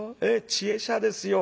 知恵者ですよ。